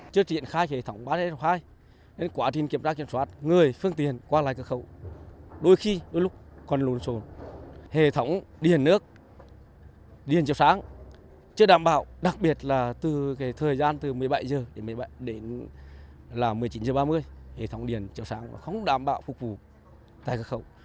chưa đảm bảo đặc biệt là thời gian từ một mươi bảy h đến một mươi chín h ba mươi hệ thống điềm chiều sáng không đảm bảo phục vụ tại cửa khẩu